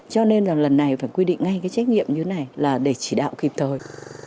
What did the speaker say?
cho nên là lần này phải quy định ngay cái trách nhiệm như thế này là để chỉ đạo kịp thời